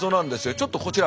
ちょっとこちら。